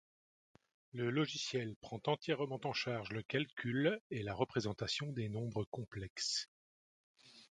Le logiciel prend entièrement en charge le calcul et la représentation des nombres complexes.